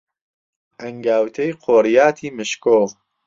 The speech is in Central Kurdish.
ئەنگاوتەی قۆریاتی مشکۆ،